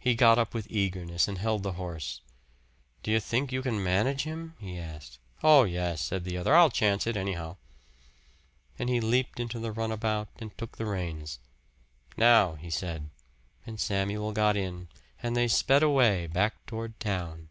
He got up with eagerness, and held the horse. "Do you think you can manage him?" he asked. "Oh, yes," said the other. "I'll chance it, anyhow." And he leaped into the runabout and took the reins. "Now," he said; and Samuel got in, and they sped away, back toward town.